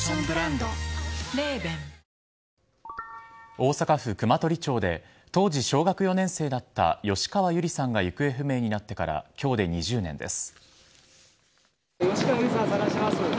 大阪府熊取町で当時小学４年生だった吉川友梨さんが行方不明になってから今日で２０年です。